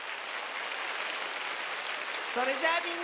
それじゃあみんな。